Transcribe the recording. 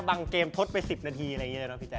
บางเกมทดไป๑๐นาทีเนี่ยนะพี่แจ๊ก